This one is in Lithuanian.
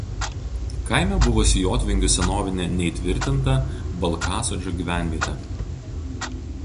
Kaime buvusi jotvingių senovinė neįtvirtinta Balkasodžio gyvenvietė.